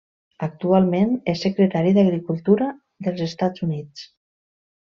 Actualment és Secretari d'Agricultura dels Estats Units.